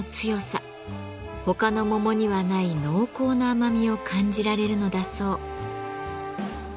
他の桃にはない濃厚な甘みを感じられるのだそう。